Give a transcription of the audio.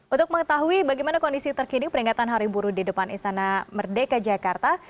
untuk mengetahui bagaimana kondisi terkini peringatan hari buruh di depan istana merdeka jakarta